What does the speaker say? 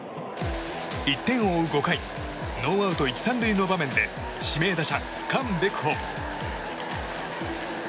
１点を追う５回ノーアウト１、３塁の場面で指名打者、カン・ベクホ。